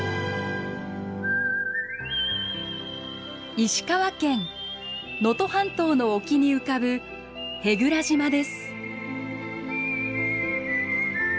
石川県能登半島の沖に浮かぶ舳倉島です。